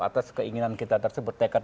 atas keinginan kita tersebut